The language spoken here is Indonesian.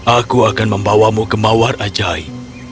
aku akan membawamu ke mawar ajaib